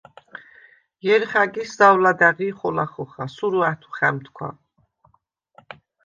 ჲერხ’ა̈გის ზაუ̂ლადა̈ღი ხოლა ხოხა: სურუ ა̈თუ ხა̈მთქუ̂ა.